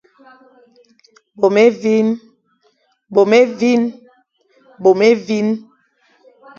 Bôm évîn.